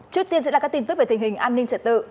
trước tiên sẽ là các tin tức về tình hình an ninh trật tự